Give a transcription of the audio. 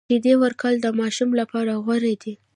شیدې ورکول د ماشوم لپاره غوره دي۔